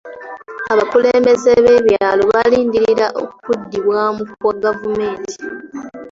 Abakulembeze b'ebyalo balindirira kuddibwamu kwa gavumenti.